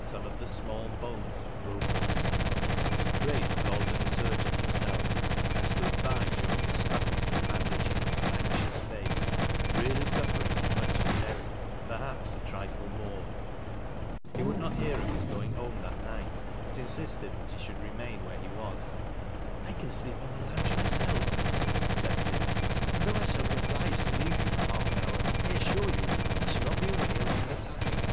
Some of the small bones had broken. Grace called in the surgeon himself, and stood by durinf: the strapping and bandaging with an anxious face, really suffering as much as Derrick, perhaps a trifle more. lie would not hear of his going home that night, but insisted that he should remain where he was. " I can sleep on the lounge myself," he protested " And though I shall be obliged to leave you for half an hour, I assure you I saall not be away a longer time."